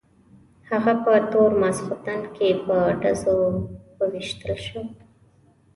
هغه په تور ماخستن کې په ډزو وویشتل شو.